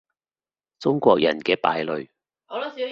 中國人嘅敗類